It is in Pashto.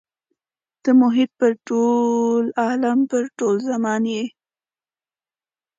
ته محیط پر ټول عالم پر ټول زمان یې.